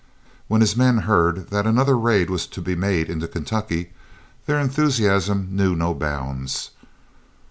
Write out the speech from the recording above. When his men heard that another raid was to be made into Kentucky, their enthusiasm knew no bounds.